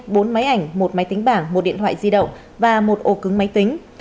bốn máy ảnh một máy tính bảng một điện thoại di động và một ổ cứng máy tính